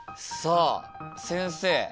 さあ先生